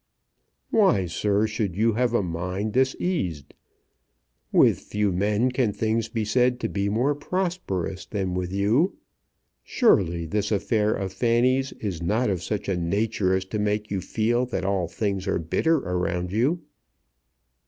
"Why, sir, should you have a mind diseased? With few men can things be said to be more prosperous than with you. Surely this affair of Fanny's is not of such a nature as to make you feel that all things are bitter round you."